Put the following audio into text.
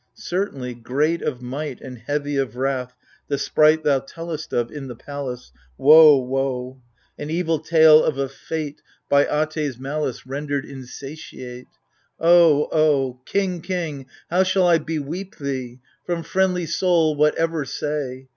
Certainly, great of might And heavy of wrath, the Sprite Thou tellest of, in the palace (Woe, woe !)— An evil tale of a fate K 1 30 A GAMEMNON. By Ate's malice Rendered insatiate ! Oh, oh,— King, king, how shall I beweep thee ? From friendly soul what ever say